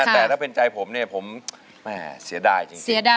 แต่ถ้าเป็นใจผมเนี่ยผมเสียดายจริง